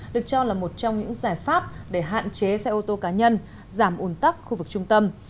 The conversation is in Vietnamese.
được cho là một trong những giải pháp để hạn chế xe ô tô cá nhân giảm ồn tắc khu vực trung tâm